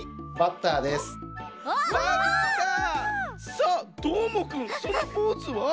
さあどーもくんそのポーズは？